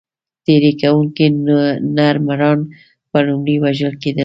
تېري کوونکي نر مږان به لومړی وژل کېدل.